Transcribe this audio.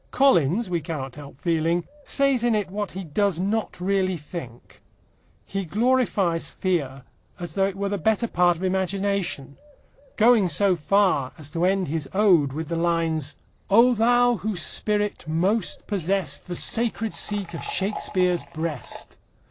Collins, we cannot help feeling, says in it what he does not really think. He glorifies fear as though it were the better part of imagination, going so far as to end his ode with the lines: O thou whose spirit most possessed, The sacred seat of Shakespeare's breast!